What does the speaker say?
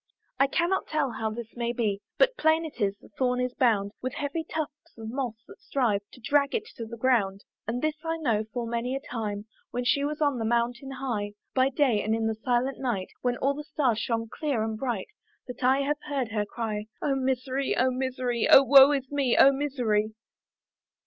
I cannot tell how this may be, But plain it is, the thorn is bound With heavy tufts of moss, that strive To drag it to the ground. And this I know, full many a time, When she was on the mountain high, By day, and in the silent night, When all the stars shone clear and bright, That I have heard her cry, "Oh misery! oh misery! "O woe is me! oh misery!"